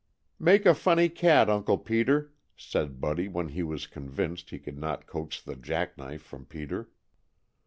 "Make a funny cat, Uncle Peter," said Buddy when he was convinced he could not coax the jack knife from Peter.